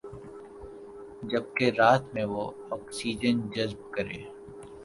جبکہ رات میں وہ آکسیجن جذب کرکے